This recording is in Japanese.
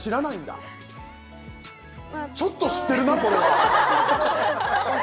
・まあちょっと知ってるなこれは！